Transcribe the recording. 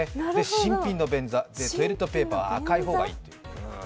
新品の便座、で、トイレットペーパーは赤い方がいいと。